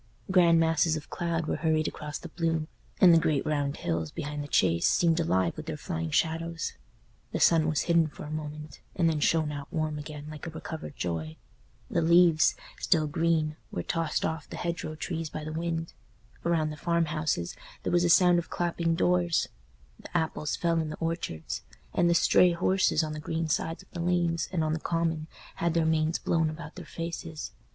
Grand masses of cloud were hurried across the blue, and the great round hills behind the Chase seemed alive with their flying shadows; the sun was hidden for a moment, and then shone out warm again like a recovered joy; the leaves, still green, were tossed off the hedgerow trees by the wind; around the farmhouses there was a sound of clapping doors; the apples fell in the orchards; and the stray horses on the green sides of the lanes and on the common had their manes blown about their faces.